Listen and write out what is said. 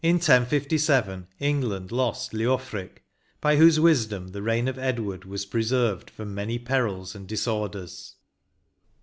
"In 1057 England lost Leofric, by whose wisdom the reign of Edward was preserved from many perils and disorders.